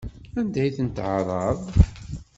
Anda ay tent-tɛerraḍ?